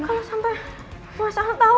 kalo sampe buah saham tau